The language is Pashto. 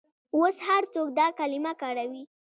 اوس هر څوک دا کلمه کاروي.